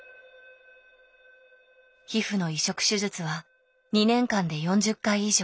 皮膚の移植手術は２年間で４０回以上。